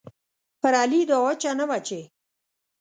پر علي دا وچه نه وه چې